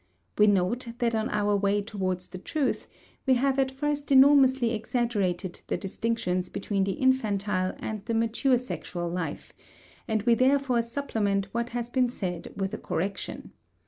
We note that on our way towards the truth we have at first enormously exaggerated the distinctions between the infantile and the mature sexual life, and we therefore supplement what has been said with a correction.